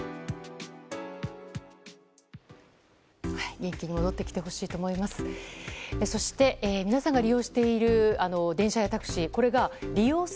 元気に戻ってきてほしいと思います。